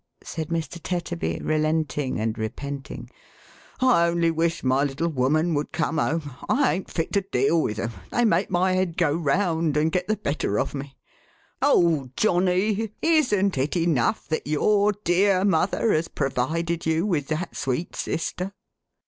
said Mr. Tetterby, relenting and repenting, "I only wish my little woman would come home ! I ain't fit to deal with 'em. They make my head go round, and get the better of me. Oh, Johnny! Isn't it enough that your dear mother has provided you with that sweet sister?"